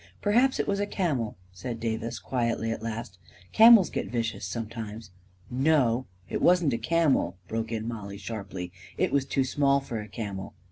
" Perhaps it was a camel," said Davis, quietly, at last. " Camels get vicious sometimes." 11 No, it wasn't a camel," broke in Mollie, sharply. 44 It was too small for a camel."